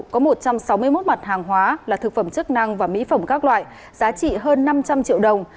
có một trăm sáu mươi một mặt hàng hóa là thực phẩm chức năng và mỹ phẩm các loại giá trị hơn năm trăm linh triệu đồng